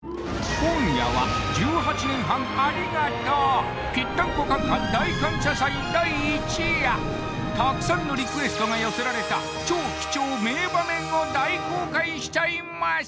今夜は１８年半ありがとう「ぴったんこカン・カン」大感謝祭第一夜たくさんのリクエストが寄せられた超貴重名場面を大公開しちゃいます！